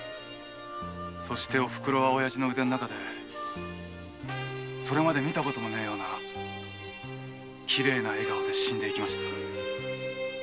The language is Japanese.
そしてお袋は親父の腕の中でそれまでに見たこともないようなきれいな笑顔で死んでいきました。